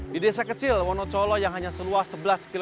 di desa kecil wonocolo yang hanya seluas sebelas km